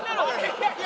いやいや！